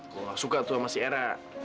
gua nggak suka sama si era